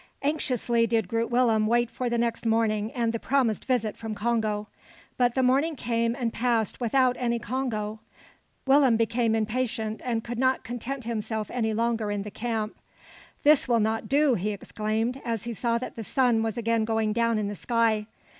Anxiously did Groot Willem wait for the next morning and the promised visit from Congo. But the morning came and passed without any Congo, Willem became impatient, and could not content himself any longer in the camp. "This will not do," he exclaimed, as he saw that the sun was again going down in the sky.